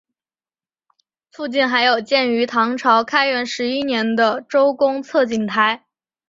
附近还有建于唐朝开元十一年的周公测景台。